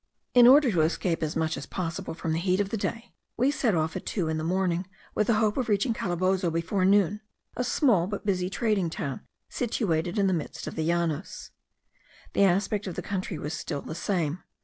In order to escape as much as possible from the heat of the day, we set off at two in the morning, with the hope of reaching Calabozo before noon, a small but busy trading town, situated in the midst of the Llanos. The aspect of the country was still the same.